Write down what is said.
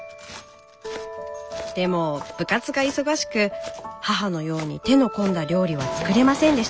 でも部活が忙しく母のように手の込んだ料理は作れませんでした。